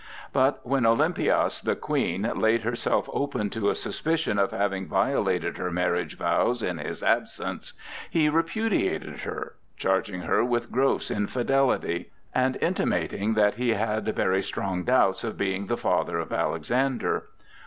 But when Olympias, the Queen, laid herself open to a suspicion of having violated her marriage vows in his absence, he repudiated her, charging her with gross infidelity, and intimating that he had very strong doubts of being the father of Alexander.